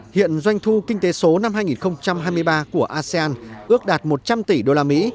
hiện doanh thu kinh tế số năm hai nghìn hai mươi ba của asean ước đạt một trăm linh tỷ usd